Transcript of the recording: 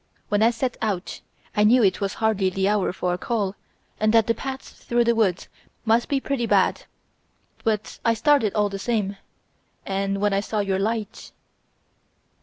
When I set out I knew it was hardly the hour for a call and that the paths through the woods must be pretty bad. But I started all the same, and when I saw your light..."